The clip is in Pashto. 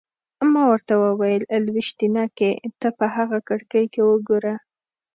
ما ورته وویل: لویشتينکې! ته په هغه کړکۍ کې وګوره.